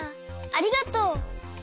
ありがとう。